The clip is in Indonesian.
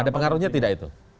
ada pengaruhnya tidak itu